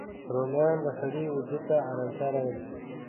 رومیان د سړی وجود ته ارامتیا راولي